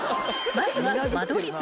［まずは］